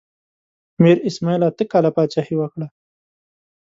امیر اسماعیل اته کاله پاچاهي وکړه.